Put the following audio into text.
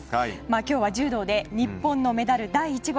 今日は柔道で日本のメダル第１号